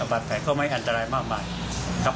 บาดแผลก็ไม่อันตรายมากมายครับ